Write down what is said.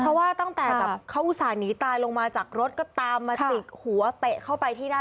เพราะว่าตั้งแต่แบบเขาอุตส่าห์หนีตายลงมาจากรถก็ตามมาจิกหัวเตะเข้าไปที่หน้า